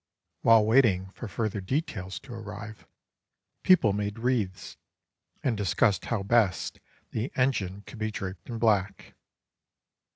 While waiting for further details to arrive, people made wreaths, and discussed how best the engine could be draped in black.